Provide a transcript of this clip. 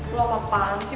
lo apaan sih